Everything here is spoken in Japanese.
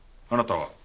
あなたは？